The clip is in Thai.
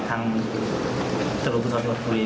ทางสรุปปุริษัทธิบัติภูมิ